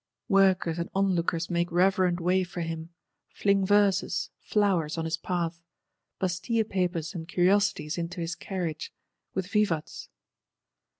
Workers and onlookers make reverent way for him; fling verses, flowers on his path, Bastille papers and curiosities into his carriage, with _vivats.